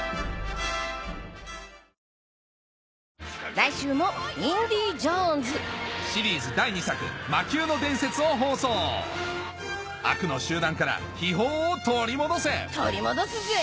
来週も『インディ・ジョーンズ』シリーズ第２作『魔宮の伝説』を放送悪の集団から秘宝を取り戻せ取り戻すぜ！